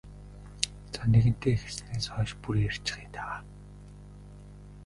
За нэгэнтээ эхэлснээс хойш бүр ярьчихъя даа.